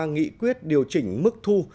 nghị quyết điều chỉnh mức thu